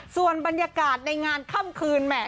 ส่วนบรรยากาศในงานค่ำคืนแหม